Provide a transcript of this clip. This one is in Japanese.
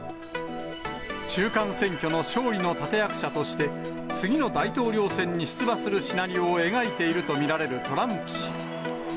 中間選挙の勝利の立て役者として、次の大統領選に出馬するシナリオを描いていると見られるトランプ氏。